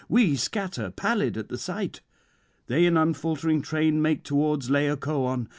We scatter, pallid at the sight. They in unfaltering train make towards Laocoön.